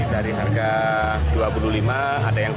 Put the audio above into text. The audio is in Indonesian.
dari harga rp dua puluh lima ada yang rp dua